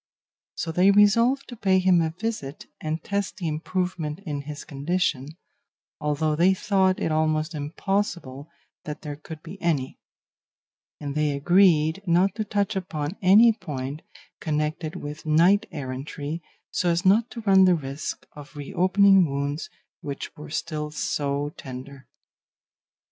So they resolved to pay him a visit and test the improvement in his condition, although they thought it almost impossible that there could be any; and they agreed not to touch upon any point connected with knight errantry so as not to run the risk of reopening wounds which were still so tender.